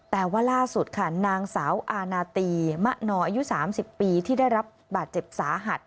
แต่ว่าล่าสุดค่ะนางสาวอาณาตีมะนออายุ๓๐ปีที่ได้รับบาดเจ็บสาหัส